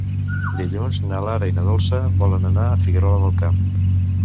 Dilluns na Lara i na Dolça volen anar a Figuerola del Camp.